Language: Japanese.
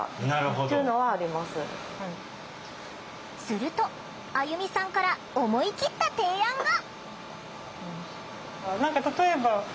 するとあゆみさんから思い切った提案が。